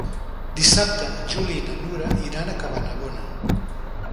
Dissabte en Juli i na Nura iran a Cabanabona.